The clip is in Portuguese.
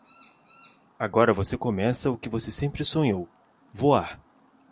Agora você começa o que você sempre sonhou: voar!